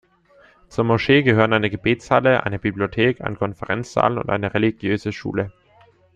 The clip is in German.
Zur Moschee gehören eine Gebetshalle, eine Bibliothek, ein Konferenzsaal und eine religiöse Schule.